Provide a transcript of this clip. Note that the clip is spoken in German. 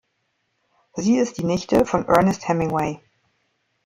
Sie ist die Nichte von Ernest Hemingway.